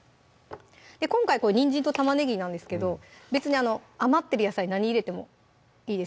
今回にんじんと玉ねぎなんですけど別に余ってる野菜何入れてもいいです